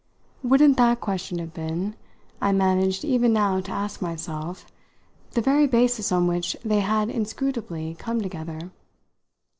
Wouldn't that question have been, I managed even now to ask myself, the very basis on which they had inscrutably come together?